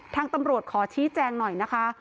ทางตำรวจขอชี้แจงหน่อยนะคะ